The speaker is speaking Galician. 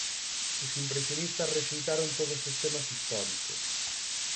Os impresionistas rexeitaron todos os temas históricos.